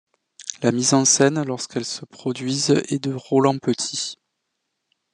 La mise en scène, lorsqu'elles se produisent, est de Roland Petit.